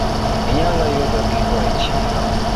Inyalo yudo gigo e chiro.